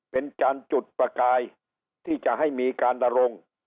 เป็นการจุดประกายที่จะให้มีการดำรง